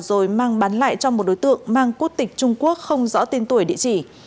rồi mang bán lại cho một đối tượng mang quốc tịch trung quốc không rõ tên tuổi địa chỉ